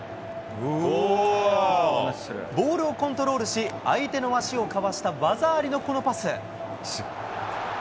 ボールをコントロールし、相手の足をかわした技ありのこのパス。